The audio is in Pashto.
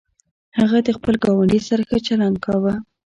هغه د خپل ګاونډي سره ښه چلند کاوه.